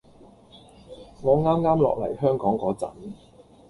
我啱啱落嚟香港嗰陣